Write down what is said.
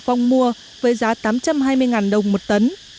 phong mua với giá tám trăm hai mươi đồng một tấn